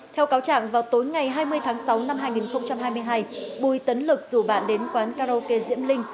theo cáo trạng vào tối ngày hai mươi tháng sáu năm hai nghìn hai mươi hai bùi tấn lực rủ bạn đến quán karaoke diễm linh